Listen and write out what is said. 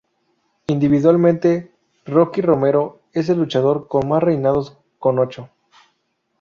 Individualmente, Rocky Romero es el luchador con más reinados con ocho.